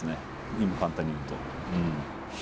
今簡単に言うと。